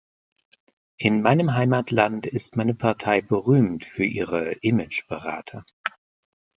In meinem Heimatland ist meine Partei berühmt für ihre Imageberater.